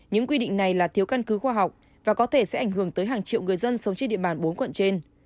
những quy định này là thiếu căn cứ khoa học và có thể sẽ ảnh hưởng tới hàng triệu người dân sống trên địa bàn bốn quận trên